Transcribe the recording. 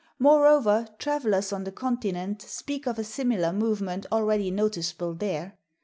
Moreover, travelers on the Continent speak of a similar movement already noticeable there.